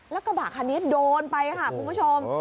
แล้วกระบะคันนี้โดนไปค่ะคุณผู้ชม